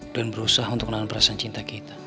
dan berusaha untuk menahan perasaan cinta kita